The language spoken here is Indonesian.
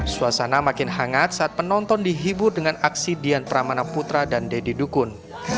suasana makin hangat saat penonton dihibur dengan aksi dian pramana putra dan deddy dukun